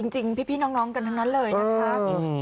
จริงพี่น้องกันทั้งนั้นเลยนะคะ